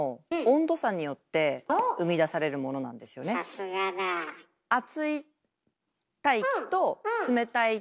さすがだ。